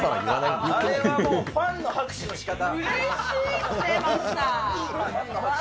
あれはもうファンの拍手のしかた。